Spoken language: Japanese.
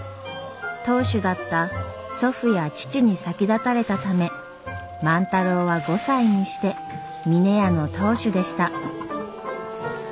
当主だった祖父や父に先立たれたため万太郎は５歳にして峰屋の当主でした。